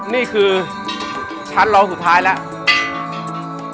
นี่คือชั้นรองสุดท้ายแล้ว